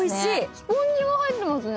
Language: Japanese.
スポンジが入ってますね。